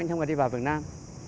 chứ không phải đi vào việt nam